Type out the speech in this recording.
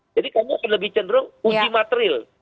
jadi kami akan lebih cenderung uji material